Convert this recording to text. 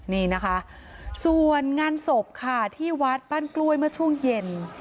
นี่นะคะส่วนงานศพค่ะที่วัดบ้านกล้วยเมื่อช่วงเย็น